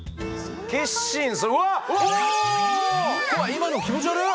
今の気持ち悪っ。